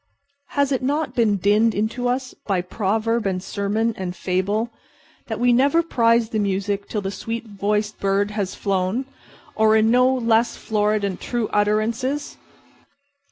Has it not been dinned into us by proverb and sermon and fable that we never prize the music till the sweet voiced bird has flown—or in other no less florid and true utterances?